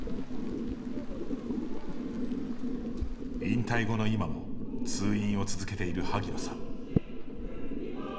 引退後の今も通院を続けている萩野さん。